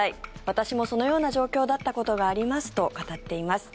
私もそのような状況だったことがありますと語っています。